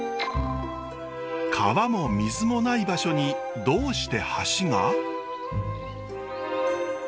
川も水もない場所にどうして橋が？